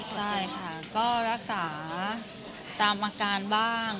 ใช่ค่ะก็รักษาตามอาการบ้าง